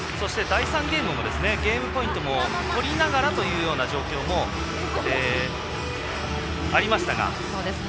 第３ゲームもゲームポイントも取りながらというような状況もありましたが。